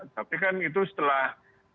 tapi kan itu setelah